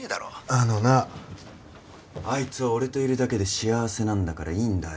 あのなあいつは俺といるだけで幸せなんだからいいんだよ。